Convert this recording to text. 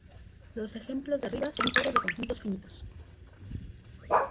Los ejemplos de arriba son todos de conjuntos finitos.